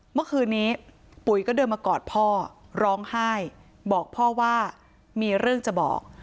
เมื่อคืนนี้ปุ๋ยก็เดินมากอดพ่อร้องไห้บอกพ่อว่ามีเรื่องจะบอก